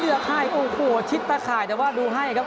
เลือกให้โอโหชิตตะไข่แต่ว่าดูให้ครับ